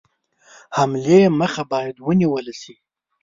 حملې مخه باید ونیوله شي.